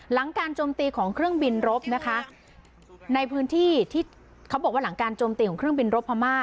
หลังการโจมตีของเครื่องบินรบนะคะในพื้นที่ที่เขาบอกว่าหลังการโจมตีของเครื่องบินรบพม่า